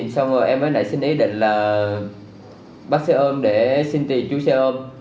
xong rồi em mới lại xin ý định là bắt xe ôm để xin tiền chú xe ôm